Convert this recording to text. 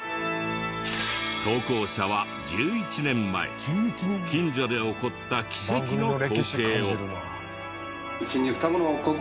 投稿者は１１年前近所で起こった奇跡の光景を。